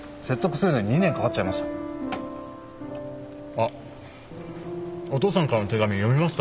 あっお父さんからの手紙読みました？